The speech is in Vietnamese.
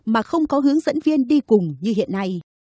mà không có hướng dẫn viên đi cùng như hiện nay